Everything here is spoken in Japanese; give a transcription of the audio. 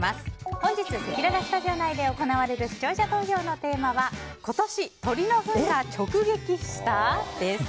本日、せきららスタジオ内で行われる視聴者投票のテーマは今年、鳥のフンが直撃した？です。